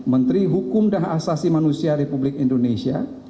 menteri hukum dan asasi manusia republik indonesia